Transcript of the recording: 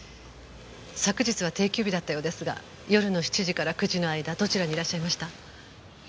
昨日は定休日だったようですが夜の７時から９時の間どちらにいらっしゃいました？